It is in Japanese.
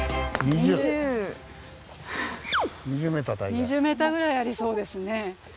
２０ｍぐらいありそうですね。